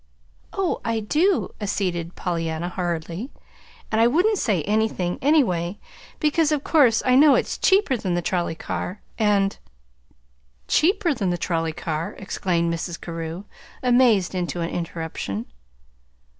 "Oh, I do," acceded Pollyanna, hurriedly; "and I wouldn't say anything, anyway, because of course I know it's cheaper than the trolley car, and " "'Cheaper than the trolley car'!" exclaimed Mrs. Carew, amazed into an interruption.